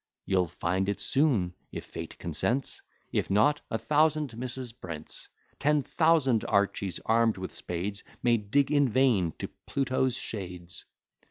You'll find it soon, if fate consents; If not, a thousand Mrs. Brents, Ten thousand Archys, arm'd with spades, May dig in vain to Pluto's shades.